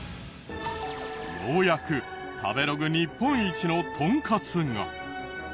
ようやく食べログ日本一のトンカツが。